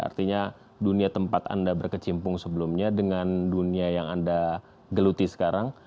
artinya dunia tempat anda berkecimpung sebelumnya dengan dunia yang anda geluti sekarang